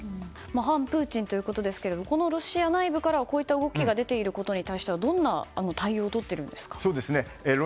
反プーチンということですがロシア内部からこういった動きが出ていることに対してどんな対応をとっているんですか？